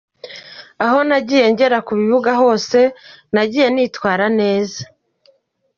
Aho nagiye ngera ku kibuga hose nagiye nitwara neza.